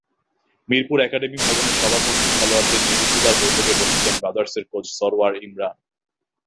Mirpur academy ভবনের সভাকক্ষে খেলোয়াড়দের নিয়ে রুদ্ধদ্বার বৈঠকে বসেছেন ব্রাদার্সের কোচ সরওয়ার ইমরান।